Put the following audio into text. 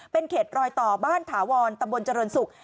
เป็นเขตรอยต่อบ้านถาวรตำบลเจริญศุกร์